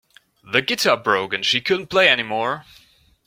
The guitar broke and she couldn't play anymore.